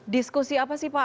diskusi apa sih pak